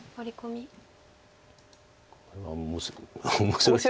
これは面白い。